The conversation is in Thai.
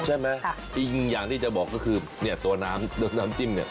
จริงอย่างที่จะบอกก็คือเนี่ยตัวน้ำจิ้มเนี่ย